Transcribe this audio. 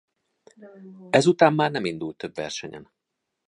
Ezután már nem indult több versenyen.